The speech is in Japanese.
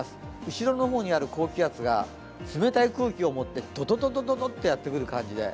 後ろの方に歩こう気圧が冷たい空気を持って、ドドドドとやってくるようです。